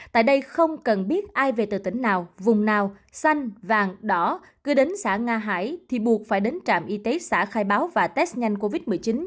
tại đây không cần biết ai về từ tỉnh nào vùng nào xanh vàng đỏ cứ đến xã nga hải thì buộc phải đến trạm y tế xã khai báo và test nhanh covid một mươi chín